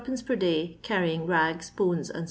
per day, car rying rags, bones, &c .